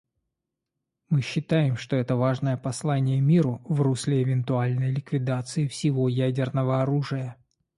Мы считаем, что это важное послание миру в русле эвентуальной ликвидации всего ядерного оружия.